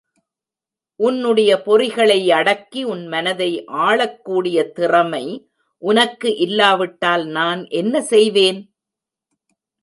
உன்னுடைய பொறிகளை அடக்கி, உன் மனத்தை ஆளக்கூடிய திறமை உனக்கு இல்லாவிட்டால் நான் என்ன செய்வேன்?